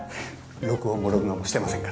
録音も録画もしてませんから。